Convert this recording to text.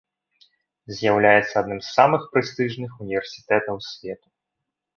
З'яўляецца адным з самых прэстыжных універсітэтаў свету.